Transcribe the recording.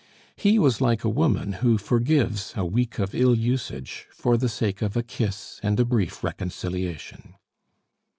He was like a woman who forgives a week of ill usage for the sake of a kiss and a brief reconciliation.